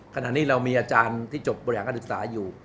ขณะนี้เรามีอาจารย์ที่จบบริหารการศึกษาอยู่